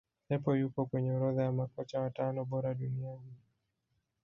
pepu yupo kwenye orodha ya makocha watano bora duniania